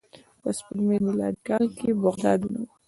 په سپوږمیز میلادي کال یې بغداد ونیو.